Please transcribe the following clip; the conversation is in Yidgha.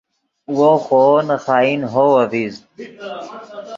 وو خوو نے خائن ہوو اڤزید